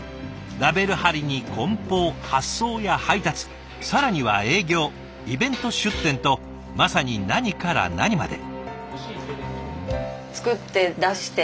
ラベル貼りに梱包発送や配達更には営業イベント出店とまさに何から何まで。